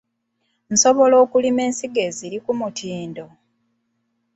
Nsobola okulima ensigo eziri ku mutindo?